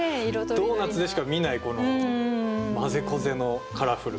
ドーナツでしか見ないまぜこぜのカラフル。